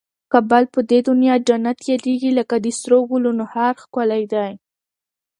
کابل په دي دونیا جنت یادېږي لکه د سرو ګلنو هار ښکلی دی